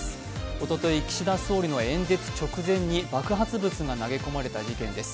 おととい岸田総理の演説直前に爆発物が投げ込まれた事件です。